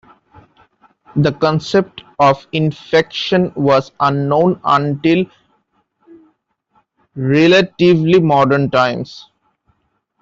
The concept of infection was unknown until relatively modern times.